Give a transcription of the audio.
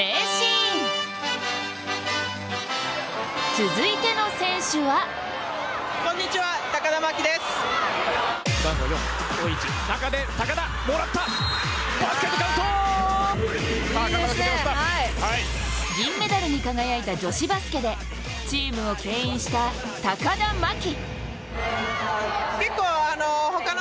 続いての選手は銀メダルに輝いた女子バスケでチームをけん引した、高田真希。